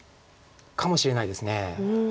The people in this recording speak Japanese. かもしれないです。